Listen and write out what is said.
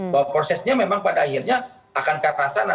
bahwa prosesnya memang pada akhirnya akan ke atas sana